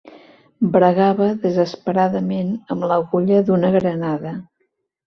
Bregava desesperadament amb l'agulla d'una granada.